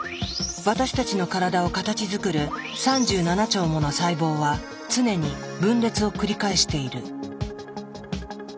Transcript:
私たちの体を形づくる３７兆もの細胞は常に分裂を繰り返している。